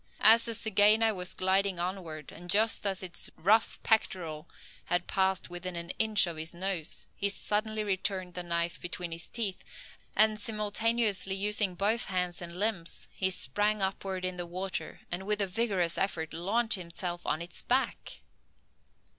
As the zygaena was gliding onward, and just as its rough pectoral passed within an inch of his nose, he suddenly returned the knife between his teeth, and, simultaneously using both hands and limbs, he sprang upward in the waiter, and, with a vigorous effort, launched himself on its back!